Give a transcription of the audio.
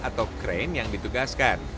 atau crane yang ditugaskan